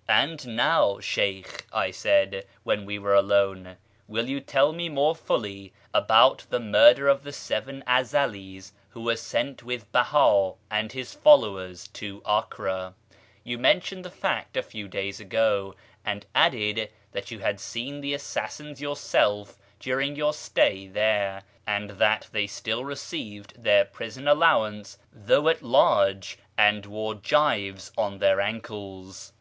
" And now, Sheykh," I said, when we were alone, " will you tell me more fully about the murder of the seven Ezelis who were sent with Beha and his followers to Acre ? You mentioned the fact a few days ago, and added that yol^ had seen the assassins yourself during your stay there, and that they still received their prison allowance, though at large, and wore gyves on their ankles."